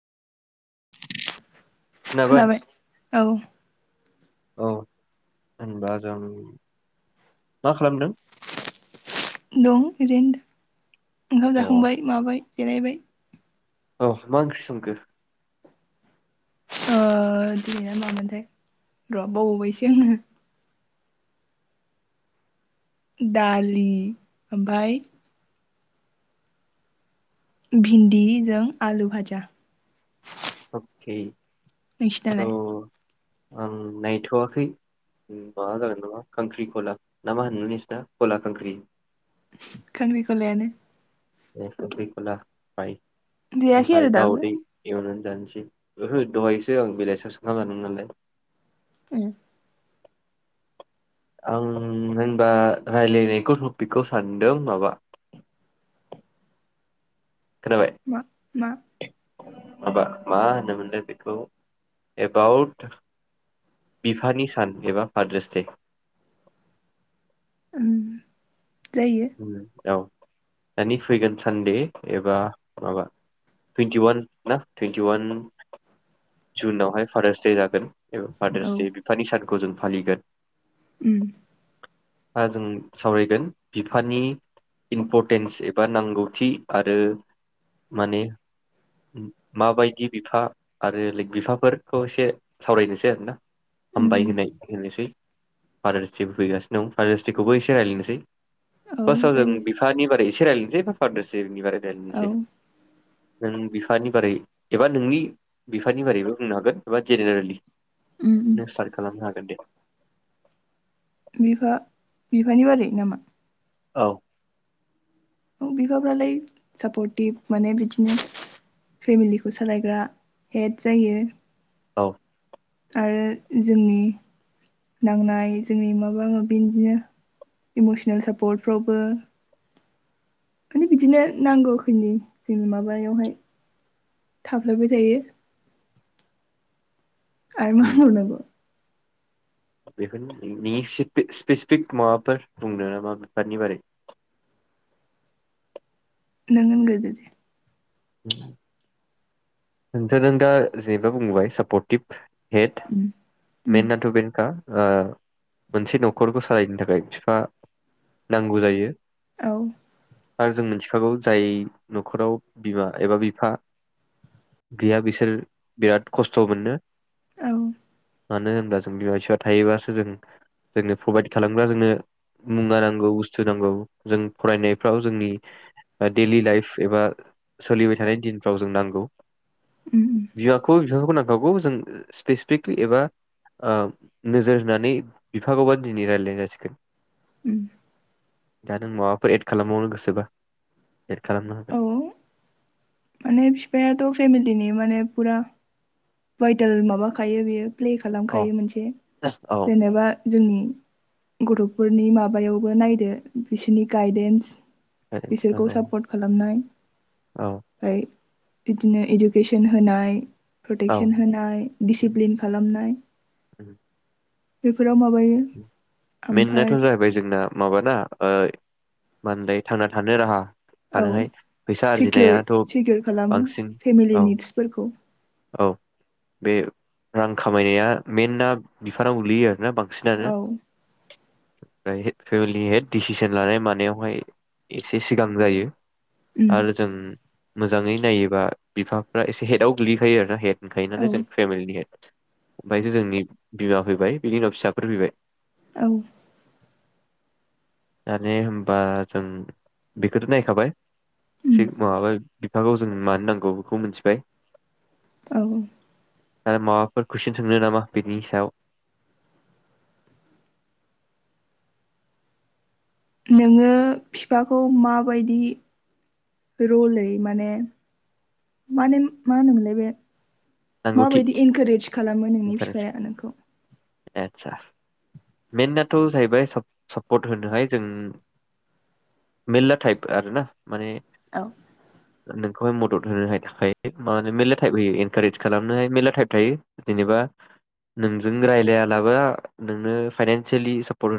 खोनाबाय औ औ होनबा जों मा खालामदों? दं इरैनो दं ओंखाम अ जाखांबाय माबाय जेरायबाय औ मा ओंख्रि संखो? ओ दिनैना मामोनथाय र बावावबायसै आङो। दालि ओमफाय भिन्दि जों आलु भाजा अके स' नोंसिनालाय आं नायथ'वाखै माबा जागोन नामा खांख्रि खला ना मा होनोमोन नोंसिना खला खांख्रि खांख्रिखलायानो। ए खांख्रि खला बाय। देराखै ओमफाय आरो दाबो दाउदै एवनानै जानोसै ओहो दहायसो आं बेलाइसियावसो खाम जादों नालाय। उम आं होनबा राय्लायनायखौ टपिकखौ सानदों माबा खोनाबाय मा मा माबा मा होनोमोनलाय बेखौ एबाउट बिफानि सान एबा फादार्स दे। ओम औ दानि फैगोन सानदे एबा माबा टुइन्टिवान ना टुइन्टिवान जुनावहाय फादार्स दे जागोन। औ फादार्स डे बिफानि सान। खौ जों फालिगोन। उम जों सावरायगोन बिफानि इम्परटेन्स एबा नांगौथि आरो माने माबायदि बिफा आरो [unintelligible] बिफाफोरखौ एसे सावरायनोसै आरोना। उम हामबाय उम होनाय होनिसै। फादार्स डेबो फैगासिनो दं फादार्सखौबो एसे रायलायनोसै औ फार्स्टआव जों जायो बिफानि बागै एसे रायज्लायनोसै फादार्स डे बेनि बागै औ रायज्लायनोसै नों बिफानि बारै एबा नोंनि बिफानि बारैबो बुंनो हागोन एबा जेनेरेलि उम उम नों स्टार्ट खालामनो हागोन दे बिफा बिफानि बारै नामा औ औ बिफाफ्रालाय सापर्टिभ माने बिदिनो फेमिलिखौ सालायग्रा हेड जायो औ आरो जोंनि नांनाय जोंनि माबा माबि बिदिनो इमसनेल सापर्टफ्रावबो माने बिदिनो नांगौखनि जों माबायावहाय थाफ्लायबाय थायो आरो मा बुंनांगौ बेखौनो नोंनि स्पेसिफिक माबाफोर बुंनो नामा बिफानि बारै नों होनग्रोदोदे [unintelligible] नोंथाङा दा जेनेबा बुंबोबाय सापर्टिभ हेड उम उम मेनाथ' बेनोखा मोनसे न'खरखौ सालायनो थाखाय बिफा नांगौ जायो औ आरो जों मिथिखागौ जाय न'खराव बिमा एबा बिफा गैया बिसोर बिराद खस्थ' मोनो औ मानो होनोब्ला जों बिमा बिफा थायोबासो जों जोंनो प्रभाइद खालामग्रा जोंनो मुवा नांगौ बुस्थु नांगौ जों फरायनायफ्राव जोंनि डेलि लाइफ एबा सोलिबाय थानाय दिनफ्राव जों नांगौ उ खौ बिफाखौ नांखागौ जों स्पेसिफिकलि एबा नोजोर होनानै बिफाखौबा दिनै रायज्लायनाय जासिगोन उ दा नों माबाफोर एड खालामबावनो गोसोबा एद खालामनो हागोन औ माने बिफायाथ' फेमलिनि माने फुरा भायटेल माबाखायो बेयो प्ले औ खालामखायो मोनसे औ जेनेबा जोंनि गथ'फोरनि माबायावबो नायदो बिसोरनि गायदेन्स पेरेन्टस बिसोरखौ नांगौ सापर्ट खालामनाय औ मफ्राय बिदिनो इडुकेसन होनाय औ प्रटेकसन होनाय डिसिप्लिन खालामनाय बे बेाव माबायो मेनाथ' ओमफाय जाहैबाय जोंना माबाना मा होनदाय थांना थानो राहा औ थानोहाय फैसा सिकिर आरजिनायाथ' सिकिर खालामो बांसिन फेमिलि औ निड्सफोरखौ औ बे रां खामायनाया मेइनना बिफानाव गोलैयो आरोना बांसिन औ ओमफ्राय फेमिलि हेड डिसिसन लानाय मानायावहाय एसे सिगां जायो उम आरो जों मोजाङै नायोबा बिफाफ्रा एसे हेटआव गोग्लैखायो आरो ना हेट औ गायनानै जों फेमिलि [unintelligible] ओमफ्रायसो जोंनि बिमा फैबाय बिनि उनाव फिसा फोर फैबाय औ दाने होनबा जों बेखौथ नायखाबाय उम सिगमाबाय बिफाखौ जों मानो नांगौ बेखौ मिथिबाय औ आरो माबाफोर कुइसन सोंनो नामा बिनि सायाव नोङो फिफाखौ माबायदि रलै माने माने मा होनोमोनलाय बे? नांगौथि माबायदि इनकारेज खालामो नोंनि इन्टारेस्ट? बिफाया नोंखौ? आदसा मेनाथ जाहैबाय साप सापर्ट होनोहाय जों मेरला टाइप आर ना माने औ नोंखौहाय मदद होनो हाय थाखाय मा होनो मेर्ला थाइप होयो इनकारेज खालामनाय मेरला टाइप थायो जेनेबा नोंजों रायलाया लाबा नोंनो फाइनानसेलि सापर्ट हो